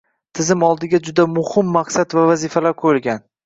Tizim oldiga juda muhim maqsad va vazifalar qoʻyilgan.